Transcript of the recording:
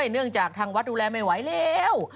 เนื่องจากทางวัดดูแลไม่ไหวแล้ว